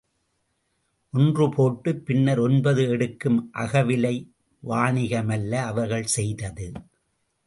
ஒன்று போட்டு பின்னர் ஒன்பது எடுக்கும் அகவிலை வாணிகமல்ல, அவர்கள் செய்தது.